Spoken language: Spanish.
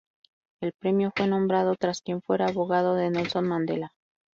El premio fue nombrado tras quien fuera abogado de Nelson Mandela.